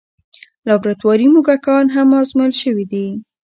لابراتواري موږکان هم ازمویل شوي دي.